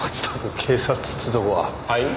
はい？